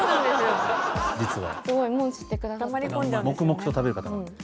黙々と食べる方なので。